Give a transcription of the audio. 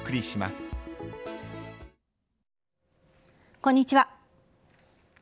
こんにちは。